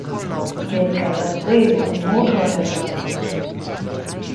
Gaedt galt als Seele und Motor der Firma.